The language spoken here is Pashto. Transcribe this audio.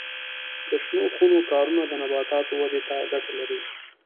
د شنو خونو کارونه د نباتاتو ودې ته ګټه لري.